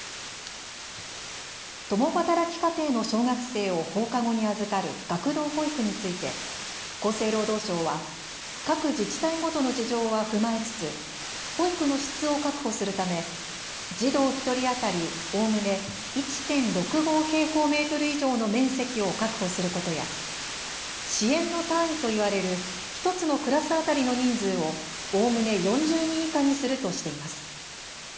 共働き家庭の小学生を放課後に預かる学童保育について厚生労働省は各自治体ごとの事情は踏まえつつ保育の質を確保するため児童１人当たりおおむね１．６５平方メートル以上の面積を確保することや支援の単位と言われる１つのクラス当たりの人数をおおむね４０人以下にするとしています。